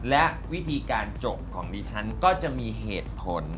และวิธีการจบของดิฉันก็จะมีเหตุผล